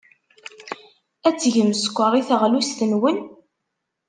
Ad tgem sskeṛ i teɣlust-nwen?